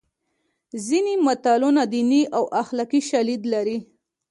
ځینې متلونه دیني او اخلاقي شالید لري